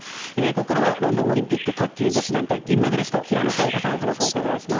ここからはロンドンオリンピック女子団体銀メダリスト平野早矢香さんにお話をお伺いします。